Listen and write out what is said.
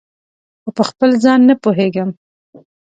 خو پخپل ځان نه پوهیږم